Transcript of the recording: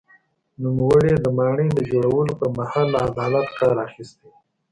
نوموړي د ماڼۍ د جوړولو پر مهال له عدالت کار اخیستی.